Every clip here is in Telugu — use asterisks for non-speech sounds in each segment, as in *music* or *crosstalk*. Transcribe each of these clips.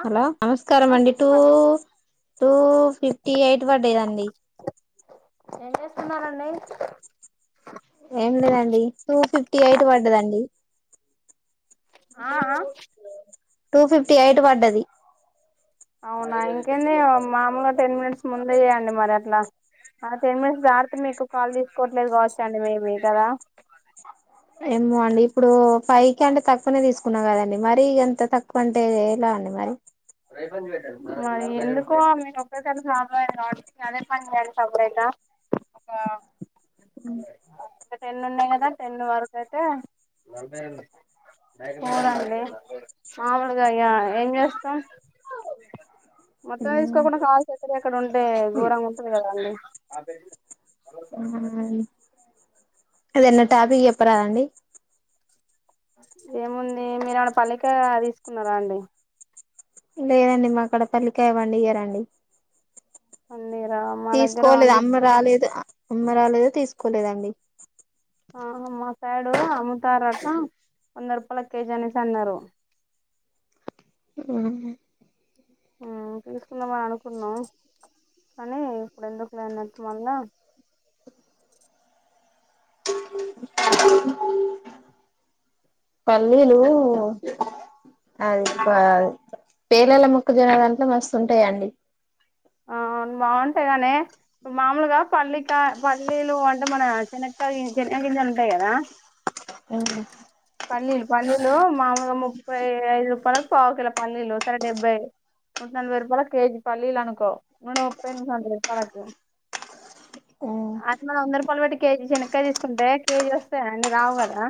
ఆ హలో నమస్కారం అండి టూ టూ ఫిఫ్టీ ఎయిట్ పడదండి ఏం చేస్తున్నారంండి ఏం లేదండి టూ ఫిఫ్టీ ఎయిట్ పడ్డదండి ఆ ఆ అ టూ ఫిఫ్టీ ఎయిట్ పడ్డది అవునా ఇంకేంది మామూలుగా టెన్ మినిట్స్ ముందే చే్యండి మరి అట్లా ఆ టెన్ మినిట్స్ దాడితే మీకు కాల్ తీసుకోవట్లేదు కావచ్చు అండి మేమ కదా ఏమో అండి ఇప్పుడు ఫైవ్ ఇక అంటే తక్కువనే తీసుకున్నా కదండి మరి ఇ ఎంత తక్కువ అంటేలా అండి మరి ఎందుకో మీరు ఒక్కసారి ప్రాబ్ అయ్య అంటే అదే పని చేాల సబ్లగా ఒక ఇంకా టెన్ ఉన్నాయి కదా టెన్ వరకు ఏంటి చడండి మామిలుకాయ తా మొత్తం తీసుకోకుండా కాల్స్ ఎక్కడ ఎక్కడ ఉంటే దూరంగా ఉంటుంది కదా అండి అదేగాధా ఉమ్ ఏదయినా టాపిక్ చెప్పరాదండి ఏముంది మీరు ఆడ పల్లిక తీసుకున్నారా అండి లేదండి మా అక్కడ పల్లికా పండియారండి పన్నీరా మా దగ్గర తీసుకోలేదు పండిస్త అమ్మ రాలేదు అమ్మ రాలేదో తీసుకోలేదండి ఆ మా సైడు అముతారట వంద రూపాయల కేజీ అనేసి అన్నారు ఉమ్ ఉమ్ తీసుకుందామని అనుకున్నాం కానీ ఇప్పుడు ఎందుకు లేనట్టు మళ్ళా పల్లీలు అది పేలల మొక్క జోనల్ దంట్లో మస్తుంటాయండి ఆ బాగుంటాయి గానీ మామూలుగా పల్లికా పల్లీలు అంటే మన శనక్కయ చెనగ గింజాలు ఉంటాయి కదా పల్లీలు పల్లీలు మామూలుగా ముప్పై ఐదు రూపాయలకు పావు కలో పల్లీలు సరే డెబ్బై నూట నలభై రూపాయల కేజీ పల్లీలు అనుకో మూడు ముప్పై ను వంద రూపాయలకు అది మన వంద రూపాయలు పెట్టి కేజీ శనకాయ తీసుకుంటే కేజీ వస్తాయి అన్నీ రావు కదా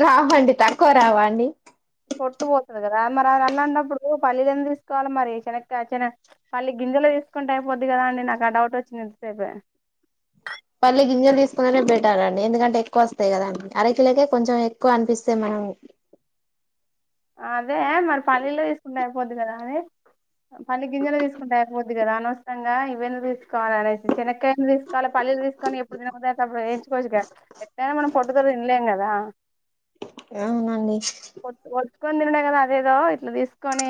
రావండి తక్కువ రావండి పట్టు పోతుంది కదా మరి అది అన్న అన్నప్పుడు పల్లీలంద తీసుకోవాలి మరి చనకయ్ చాన్ పల్లి గింజెలో తీసుకుంటే అయిపోద్ది కదా అండి నాకు ఆ డౌట్ వచ్చింది ఇంతసేపే పల్ల గింజలు తీసుకుందనే బెటర్ అండి ఎందుకంటే ఎక్కువ వస్తాయి కదాండి అరకిలకే కొంచెం ఎక్కువ అనిపిస్తే మనం అదే మరి పల్లీలో తీసుకుంటూ అయిపోద్ది కదా అది పల్లి గింజలు తీసుకుంటా అయిపోద్ది కదా అనవసరంగా ఇవన్నీ తీసుకోవాలి అనేసి చినకాయని తీసుకోవాలి పల్లిలు తీసుకొని ఎప్పుడు తిన్బుదియ్తే అ అప్పుడు వేంచుకోవచ్చుగా ఎటైనా మనం పొట్టుగ తినలేం కదా అవునండి తీనీ *unintelligible* కదా అదేదో ఇట్లా తీసుకొని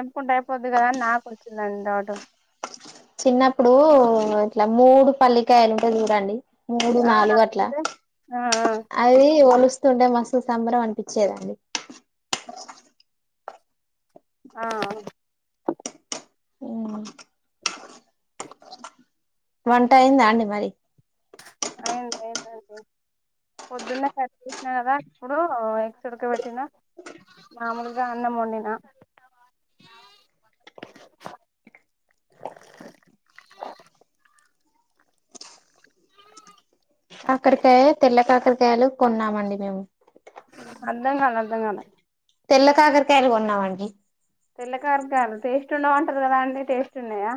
ఎంపుకుంటే అయిపోద్ది కదా అని నాకు వచ్చిందండి డౌంటు చిన్నప్పుడు ఇట్లా మూడు పల్లికాయలుంటే చూడండి మూడు ఆ నాలుగు అట్లా అయితే ఆ అది వోలుస్తా స్తుండే మస్తు సంబరం అనిపించేదండి ఆ ఉమ్ వంట అయిందా అండి మరి అయింది అయింది అండి పొద్దున్నే *unintelligible* అప్పుడు ఎగ్స్ ఉడక పెట్టినా మామూలుగా అన్నం వండినా కాకరకాయ తెల్ల కాకరకాయలు కొన్నామండి మేము అర్ధం కాలే అర్థం కాలే తెల్ల కాకరకాయలు కొన్నామండి తెల్లకాకరకాయలు టేస్ట్ ఉండవ్ అంటారు కదా అండి టేస్ట్ ఉన్నాయా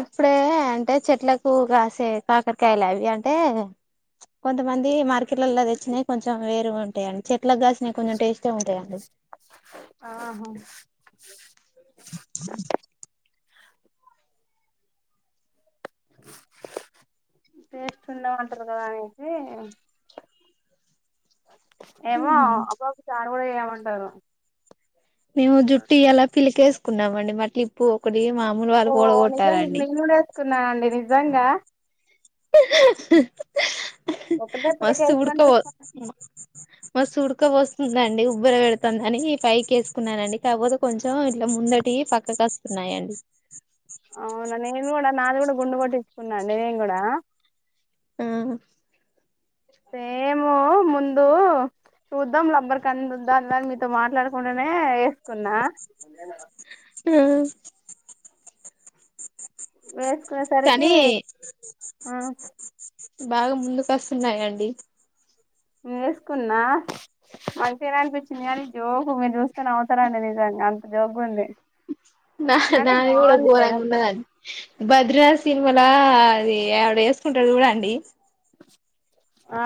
ఇప్పుడే ఏ అంటే చెట్లకు కాసే కాకరకాయలు అవి అంటే కొంతమంది మార్కెట్లలో తెచ్చినాయి కొంచెం వేరు ఉంటాయండి చెట్ ట్లకు కాసినాయ్ కొంచెం టేస్ట్గా ఉంటాయండి ఆహా హ టేస్ట్ ఉండవంటారు కదా అనేసి ఏమో ఉహు ఒకక్కసారి. గూడా ఏమంటారో. ఏమో జుట్టు ఇయ్యాల పిలకేస్. కున్నామండి మతీ పోగొట్. ఓ నిజం నేనుకూడా వేట్కున్నాండి. నిజంగా. ఆహా ఒకటే పిడక మస్తు వేసుకొని ఉడ్కోవత్ చూసుకున్నా మస్తు ఉడ్. ఉక్క పోస్తుందండి ఉబ్బపెడుతుందని పైకేసుకున్ననండి కాకపోతే కొంచెం ఇట్లా ముందటి పక్కకొస్తునయండి. అవునా నేన్ గూడా నాది గూడా గుండూ కొట్టించుకున్నండి నేన్ గూడా. ఆ సేమూ ముందు చూద్దాం లబ్బర్ కంద ఉద్దాం అ దని మీతో మాట్లాడుకుంటడానే యేస్కున్న. ఉమ్ వేస్. కో సరకీ కానీ ఆ బాగా ముందుకొస్తున్నాయండి. ను వేసుకున్నా మంచిగానే అనిపించింది గానీ జోకు మీర్ జూస్తే నవ్వుతారండి నిజంగా అంత జోగు ఉంది. నా కానీ నాది గూడా బాగుందిలే గోరంగా అట్లా ఉన్నదండి భద్రాస్. సిన్మలా ఆది ఆదేస్కుంటాడు జూడండి. ఆ.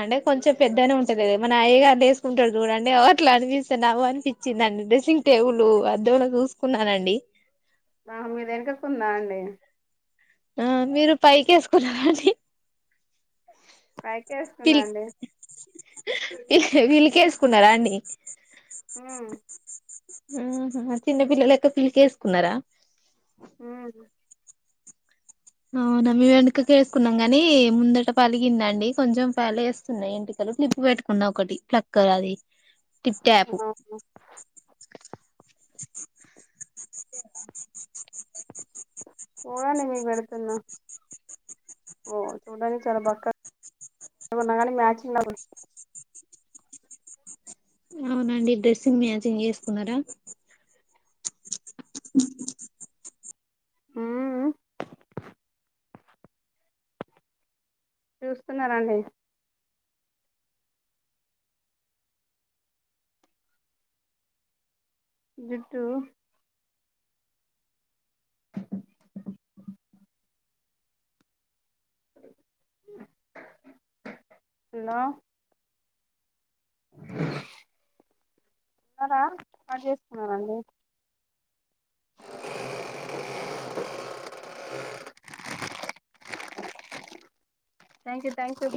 అంటే కొంచెం పెద్దగానే ఉంటది మన అయ్యగారి వేసుకుంటాడు చూడండి అట్లా అనిపిస్ అనిపించిందిండి డ్రెస్సింగ్ టేబుల్ అద్దంలో చూసుకున్నానండి. నా మీద వెనుకకుందా అండి. ఆ మీరు పైకేసుకున్నారండి. పైకేస్తున్నాండి. అహే వీకేసుకున్నారా అండి. ఉమ్. ఆ చిన్న పిల్లలెక్క పిల్కేస్కున్నారా. ఉమ్ అవునా మీ వెనకకేసుకున్నాం గాని ముందట పలిగిందండి కొంచెం పలేస్తున్నాయి ఏంటికలు క్లిప్ బేట్టుకున్న ఒకటి ప్లక్కర్ అది. తిట్టాపు. అవును చూడండి మీక్ బేడుతున్నా ఓ చూడ్డానికి చాలా బక్కా కానీ మ్యాచింగ్ లా. అవునండి డ్రెస్సింగ్ మ్యాచింగ్ జేస్కున్నారా. ఉమ్ ఉమ్. చూస్తున్నారండి. జుట్టు. హలో. న్నారా అ చేసుకున్నానండి. Thank you thank you.